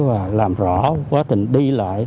và làm rõ quá trình đi lại